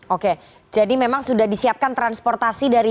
oke jadi memang sudah disiapkan transportasi dari